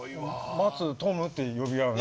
マツトムって呼び合う仲。